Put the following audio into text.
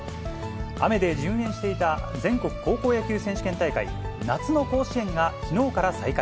雨で順延していた全国高校野球選手権大会、夏の甲子園がきのうから再開。